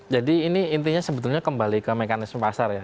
ini intinya sebetulnya kembali ke mekanisme pasar ya